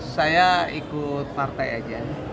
saya ikut partai aja